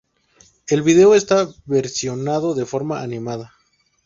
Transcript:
El video está versionado de forma animada.